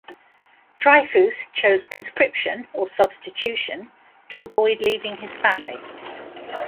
Dryfoos chose conscription, or substitution, to avoid leaving his family.